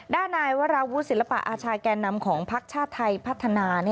ด้านนายวราวุฒิศิลปะอาชาแก่นำของพักชาติไทยพัฒนา